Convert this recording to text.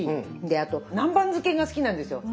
であと南蛮漬けが好きなんですよ。